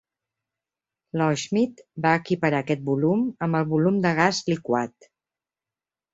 Loschmidt va equiparar aquest volum amb el volum de gas liquat.